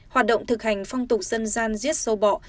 hoạt động thực hành phong tục dân gian giết sâu bọ